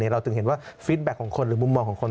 เราถึงเห็นว่าฟิตแบ็คของคนหรือมุมมองของคน